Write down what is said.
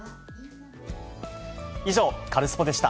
以上、カルスポっ！でした。